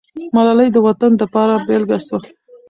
ملالۍ د وطن دپاره بېلګه سوه.